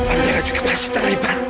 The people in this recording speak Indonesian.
amirah juga pasti terlibat